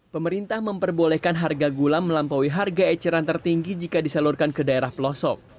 pemerintah memperbolehkan harga gula melampaui harga eceran tertinggi jika disalurkan ke daerah pelosok